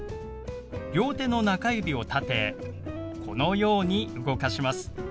両手の中指を立てこのように動かします。